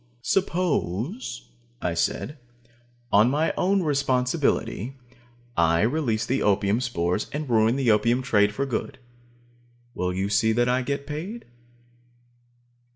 "Suppose," I said, "on my own responsibility, I release the spores and ruin the opium trade for good. Will you see that I get paid?"